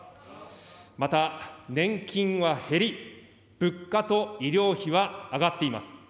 また、年金は減り、物価と医療費は上がっています。